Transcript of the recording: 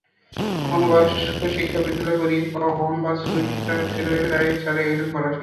কখনো বয়স্কশিক্ষা বিদ্যালয়ে পড়িয়ে, কখনোবা সুই-সুতার সেলাইয়ের আয়ে চালিয়ে গেছে পড়াশোনা।